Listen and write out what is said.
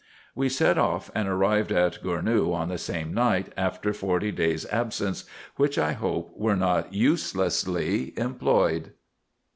We set off, and arrived at Gournou on the same night, after forty days' absence, which I hope were not uselessly employed.